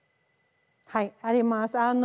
はいあります。